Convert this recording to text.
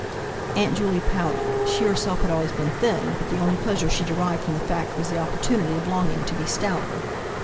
Aunt Juley pouted; she herself had always been thin, but the only pleasure she derived from the fact was the opportunity of longing to be stouter.